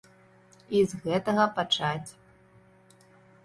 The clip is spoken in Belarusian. І з гэтага пачаць.